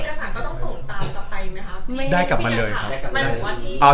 เอกสารก็ต้องส่งตามจับไปไหมครับ